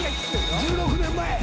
１６年前！